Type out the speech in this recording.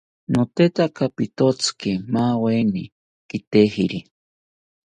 Notetaka pitotzi maaweni kitejiri